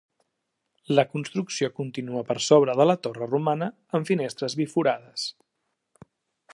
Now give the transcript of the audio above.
La construcció continua per sobre de la torre romana amb finestres biforades.